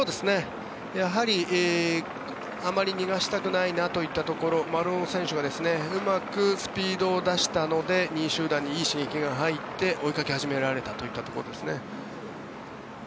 やはりあまり逃がしたくないなといったところ丸尾選手がうまくスピードを出したので２位集団にいい刺激が入って追いかけられ始めたということですね。